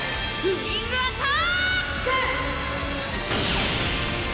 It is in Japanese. ウィングアターック！